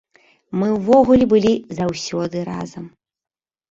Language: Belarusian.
Мы ўвогуле былі заўсёды разам.